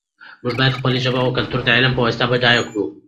موږ باید خپله ژبه او کلتور د علم په واسطه بډایه کړو.